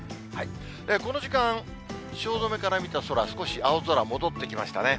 この時間、汐留から見た空、少し青空戻ってきましたね。